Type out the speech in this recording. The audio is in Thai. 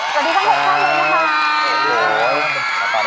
สวัสดีค่ะทุกท่านร้องคาบรุ่น